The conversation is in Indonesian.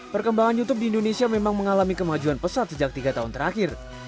perkembangan youtube di indonesia memang mengalami kemajuan pesat sejak tiga tahun terakhir